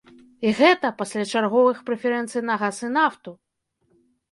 І гэта пасля чарговых прэферэнцый на газ і нафту!